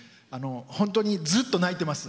本当にずっと泣いてます。